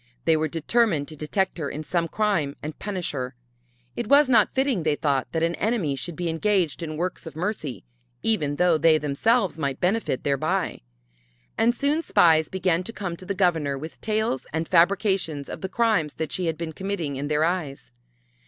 They were determined to detect her in some crime and punish her. It was not fitting, they thought, that an enemy should be engaged in works of mercy, even though they themselves might benefit thereby. And soon spies began to come to the Governor with tales and fabrications of the crimes that she had been committing in their eyes.